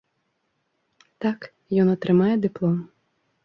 Так, ён атрымае дыплом.